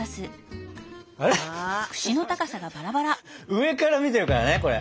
上から見てるからねこれ。